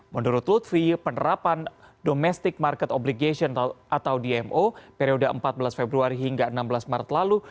menurut lutfi penerapan domestic market obligation atau dmo periode empat belas februari hingga enam belas maret lalu